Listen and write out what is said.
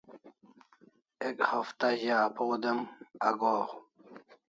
Ek Hafta za apaw dem agohaw